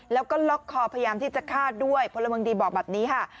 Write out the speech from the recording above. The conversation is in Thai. แล้วก็ล็อกคอพยายามที่จะฆ่าด้วยพลเมืองดีบอกแบบนี้ค่ะ